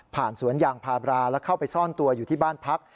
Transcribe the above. สวนยางพาบราแล้วเข้าไปซ่อนตัวอยู่ที่บ้านพัก